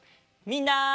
みんな！